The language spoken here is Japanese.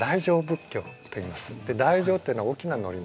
大乗っていうのは大きな乗り物。